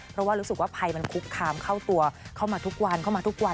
เพราะว่ารู้สึกว่าภัยมันคุกคามเข้าตัวเข้ามาทุกวันเข้ามาทุกวัน